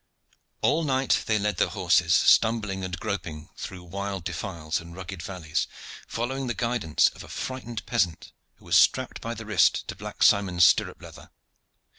All night they led their horses, stumbling and groping through wild defiles and rugged valleys, following the guidance of a frightened peasant who was strapped by the wrist to Black Simon's stirrup leather.